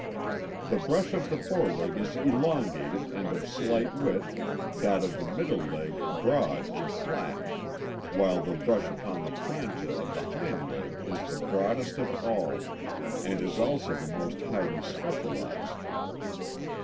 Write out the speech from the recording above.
The brush of the foreleg is elongated and of slight width (fig. 1), that of the middle leg broad and flat (fig. 2), while the brush upon the planta of the hind leg is the broadest of all, and is also the most highly specialized.